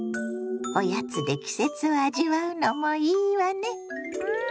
おやつで季節を味わうのもいいわね。